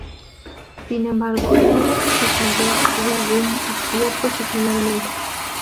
Sin embargo en varios episodios, Wiggum actuó profesionalmente.